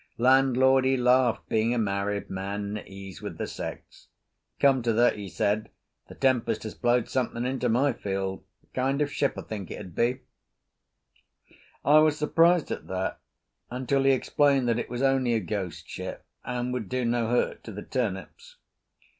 Landlord he laughed, being a married man and at ease with the sex. "Come to that," he said, "the tempest has blowed something into my field. A kind of a ship I think it would be." I was surprised at that until he explained that it was only a ghost ship and would do no hurt to the turnips.